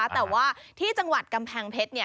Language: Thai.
แต่ว่าที่จังหวัดกำแพงเพชร